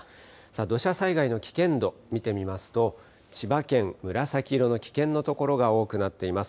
土砂災害の危険度、見てみますと千葉県、紫色の危険の所が多くなっています。